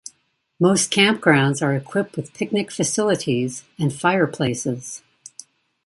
Most campgrounds are equipped with picnic facilities and fireplaces.